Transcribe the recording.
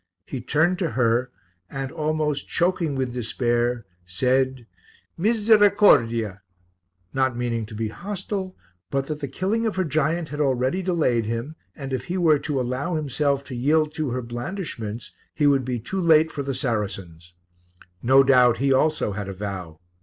He turned to her and, almost choking with despair, said, "Misericordia," not meaning to be hostile, but that the killing of her giant had already delayed him, and if he were to allow himself to yield to her blandishments he would be too late for the Saracens. No doubt he also had a vow.